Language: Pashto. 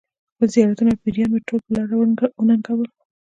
خپل زیارتونه او پیران مې ټول په لاره وننګول.